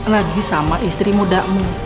lagi sama istri mudamu